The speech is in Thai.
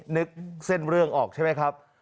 นึกเส้นเรื่องออกใช่ไหมครับ